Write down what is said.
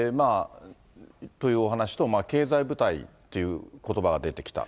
というお話と、経済部隊ということばが出てきた。